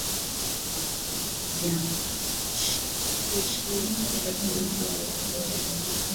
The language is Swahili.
Viambaupishi vya juisi ya viazi lishe